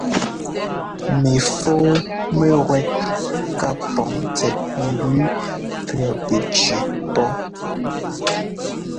Mɛfɔ́ɔ mɛwɛ́t ká pɔŋ tsɛt mbʉʉ pʉɔpɛtsʉʉ pɔ́.